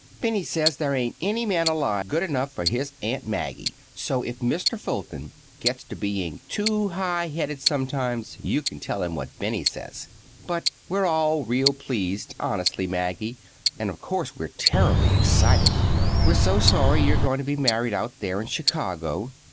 Benny says there ain't any man alive good enough for his Aunt Maggie, so if Mr. Fulton gets to being too high headed sometimes, you can tell him what Benny says. But we're all real pleased, honestly, Maggie, and of course we're terribly excited. We're so sorry you're going to be married out there in Chicago.